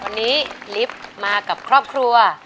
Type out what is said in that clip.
วันนี้ลิฟต์มากับครอบครัว